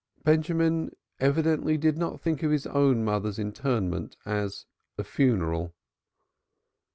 Benjamin evidently did not think of his own mother's interment as a funeral.